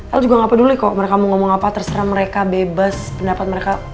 aku juga gak peduli kok mereka mau ngomong apa terserah mereka bebas pendapat mereka